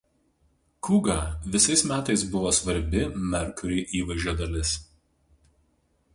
Cougar visais metais buvo svarbi Mercury įvaizdžio dalis.